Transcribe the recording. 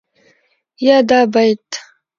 يا دا بيت